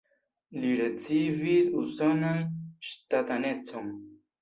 Li ricevis usonan ŝtatanecon.